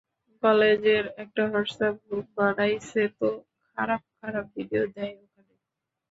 কলেজের একটা WhatsApp group বানাইছে তো, খারাপ খারাপ ভিডিও দেয় ওখানে।